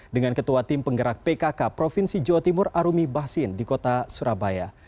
dengan ketua tim penggerak pkk provinsi jawa timur arumi basin di kota surabaya